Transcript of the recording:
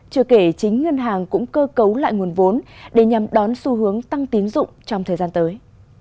chưa kể chính ngân hàng cũng cơ cấu lại nguồn vốn để nhằm đón xu hướng tăng tín dụng trong thời gian tới